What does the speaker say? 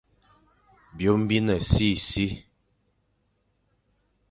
Byôm bi ne sisi,